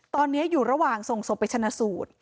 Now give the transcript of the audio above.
ตอนนี้อยู่ระหว่างส่งศพไปชนะสูตร